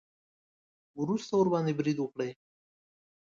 وروسته ورباندې برید وکړي.